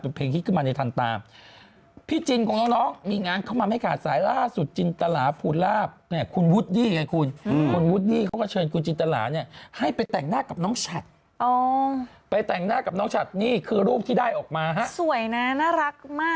ไอ้คนในวงนางก็จะถูกหวยกันแบบว่าเดือนละ๓๔แสนพี่หนุ่ม